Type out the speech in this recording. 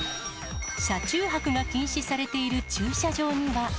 車中泊が禁止されている駐車場には。